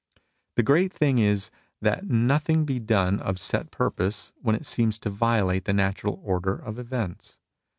The great thing is that nothing be done of set purpose when it seems to violate the natural order of events.